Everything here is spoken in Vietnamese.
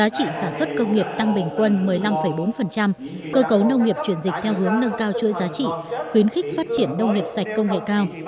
cơ nghiệp tăng bình quân một mươi năm bốn cơ cấu nông nghiệp chuyển dịch theo hướng nâng cao chuỗi giá trị khuyến khích phát triển nông nghiệp sạch công nghệ cao